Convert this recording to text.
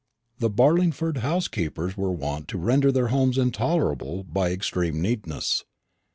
The Barlingford housekeepers were wont to render their homes intolerable by extreme neatness.